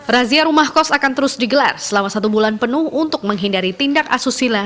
razia rumah kos akan terus digelar selama satu bulan penuh untuk menghindari tindak asusila